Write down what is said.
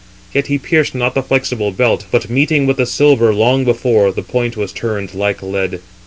Yet he pierced not the flexible belt, but meeting with the silver long before, the point was turned like lead.